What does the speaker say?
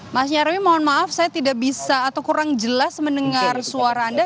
mas nyarwi mohon maaf saya tidak bisa atau kurang jelas mendengar suara anda